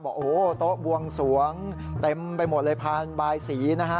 บอกโอ้โหโต๊ะบวงสวงเต็มไปหมดเลยพานบายสีนะฮะ